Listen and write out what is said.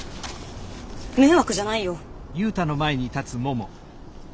迷惑じゃないよ。